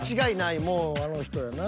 もうあの人やな。